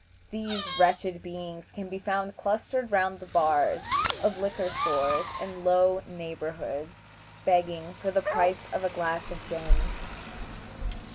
These wretched beings can be found clustered round the bars of liquor stores in low neighborhoods, begging for the price of a glass of gin.